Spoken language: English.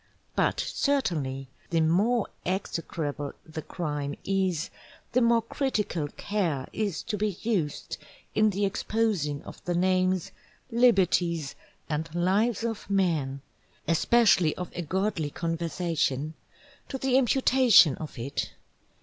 But certainly, the more execrable the Crime is, the more critical care is to be used in the exposing of the Names, Liberties, and Lives of Men (especially of a Godly Conversation) to the imputation of it.